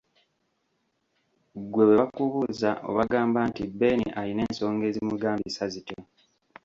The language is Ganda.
Ggwe bwe bakubuuza obagamba nti Ben alina ensonga ezimugambisa zityo.